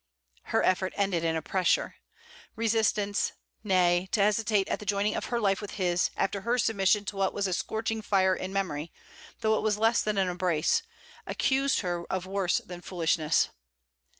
Her effort ended in a pressure. Resistance, nay, to hesitate at the joining of her life with his after her submission to what was a scorching fire in memory, though it was less than an embrace, accused her of worse than foolishness.